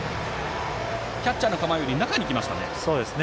キャッチャーの構えより中に来ましたね。